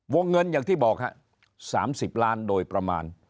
เงินอย่างที่บอกครับ๓๐ล้านโดยประมาณ